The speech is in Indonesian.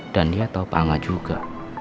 dan dia tau pak angga juga